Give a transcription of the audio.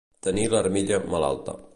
Tenir l'armilla malalta.